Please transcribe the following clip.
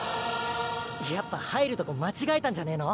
やっぱ入るとこ間違えたんじゃねぇの。